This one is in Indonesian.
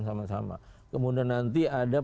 sama sama kemudian nanti ada